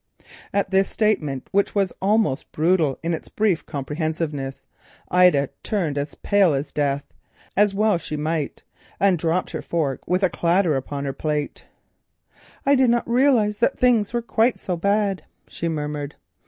At this statement, which was almost brutal in its brief comprehensiveness, Ida turned pale as death, as well she might, and dropped her fork with a clatter upon the plate. "I did not realise that things were quite so bad," she murmured.